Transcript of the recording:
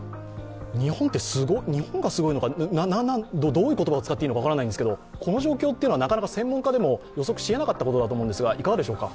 日本がすごいのか、どういう言葉を使っていいのか分からないんですけどこの状況ってなかなか専門家でも予測しえなかったと思うんですけどいかがでしょうか？